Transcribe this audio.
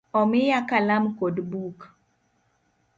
Omiya Kalam kod buk.